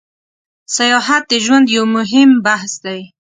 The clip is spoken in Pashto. سیاحت د ژوند یو موهیم بحث ده